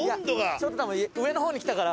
ちょっと多分上の方に来たから。